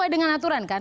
dengan aturan kan